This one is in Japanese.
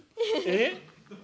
えっ？